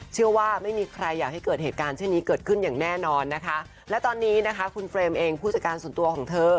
เชื่อว่าไม่มีใครอยากให้เกิดเหตุการณ์เช่นนี้เกิดขึ้นอย่างแน่นอนนะคะและตอนนี้นะคะคุณเฟรมเองผู้จัดการส่วนตัวของเธอ